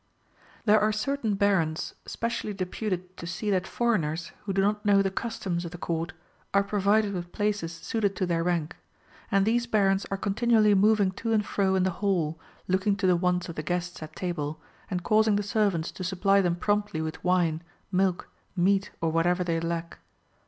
^ [There are certain Barons specially deputed to see that foreigners, who do not know the customs of the Court, are provided with places suited to their rank ; and these Barons are continually moving to and fro in the hall, looking to the wants of the guests at table, and causing the servants to supply them promptly with wine, mill :, iiK at, or whatever they lack.